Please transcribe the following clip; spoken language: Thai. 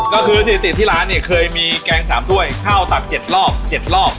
ก็คือสถิติที่ร้านเนี่ยเคยมีแกง๓ถ้วยข้าวตัก๗รอบ๗รอบ